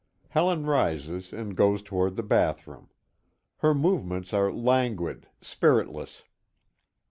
Helen rises and goes toward the bath room. Her movements are languid, spiritless.